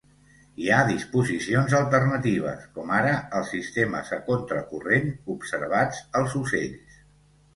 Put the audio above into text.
Hi ha disposicions alternatives, com ara els sistemes a contracorrent observats als ocells.